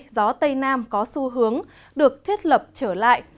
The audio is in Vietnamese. gió tây nam có xu hướng được thiết lập trở lại